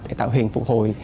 để tạo hình phục hồi